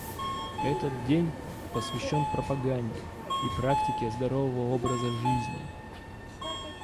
Этот день посвящен пропаганде и практике здорового образа жизни.